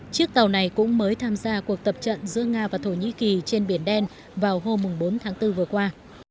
chiếc tàu này cũng mới tham gia cuộc tập trận giữa nga và thổ nhĩ kỳ trên biển đen vào hôm bốn tháng bốn vừa qua